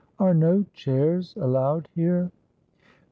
Are no chairs allowed here?"